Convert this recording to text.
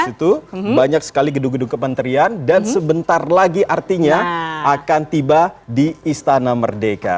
di situ banyak sekali gedung gedung kementerian dan sebentar lagi artinya akan tiba di istana merdeka